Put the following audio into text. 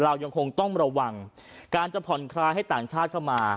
เรายังคงต้องระวังการจะผ่อนคลายให้ต่างชาติเข้ามา